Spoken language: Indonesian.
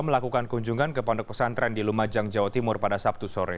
melakukan kunjungan ke pondok pesantren di lumajang jawa timur pada sabtu sore